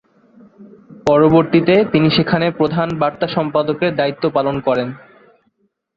পরবর্তীতে তিনি সেখানে প্রধান বার্তা সম্পাদকের দায়িত্ব পালন করেন।